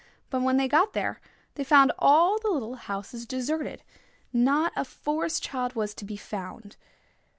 But when they got there they found all the little houses deserted: not a Forest Child was to be found.